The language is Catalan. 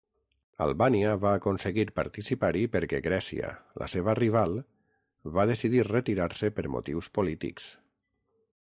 Albània va aconseguir participar-hi perquè Grècia, la seva rival, va decidir retirar-se per motius polítics.